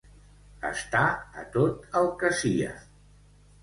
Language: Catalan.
Estar a tot el que sia.